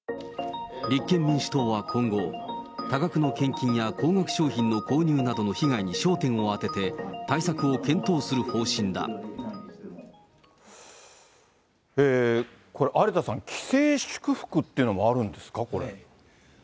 立憲民主党は今後、多額の献金や高額商品の購入などの被害に焦点を当てて、対策を検これ、有田さん、既成祝福というのがあるんですか、これ。